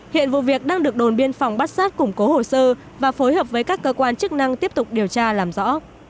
hiện vụ việc đang được đồn biên phòng bát sát củng cố hồ sơ và phối hợp với các cơ quan chức năng tiếp tục điều tra làm rõ